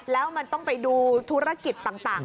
แล้วมันต้องไปดูธุรกิจต่าง